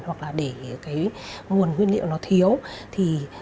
hoặc là để nguồn nguyên liệu thiết